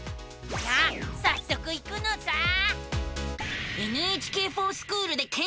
さあさっそく行くのさあ。